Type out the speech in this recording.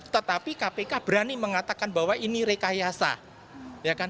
tetapi kpk berani mengatakan bahwa ini rekayasa